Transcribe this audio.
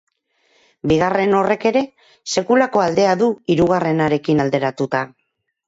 Bigarren horrek ere sekulako aldea du hirugarrenarekin alderatuta.